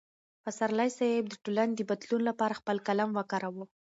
پسرلی صاحب د ټولنې د بدلون لپاره خپل قلم وکاراوه.